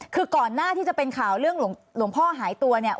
คือก่อนหน้าที่จะเป็นข่าวเรื่องหลวงพ่อหายตัวเนี่ย